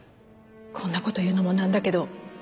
こんな事言うのもなんだけど。